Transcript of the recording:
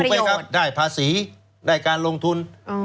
ไหมครับได้ภาษีได้การลงทุน